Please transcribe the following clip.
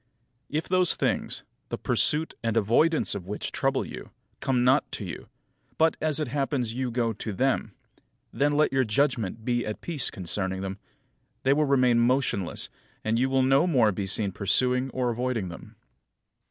11. If those things, the pursuit and avoidance of which trouble you, come not to you; but, as it happens, you go to them; then let your judgment be at peace concerning them, they will remain motionless, and you will no more be seen pursuing or avoiding them.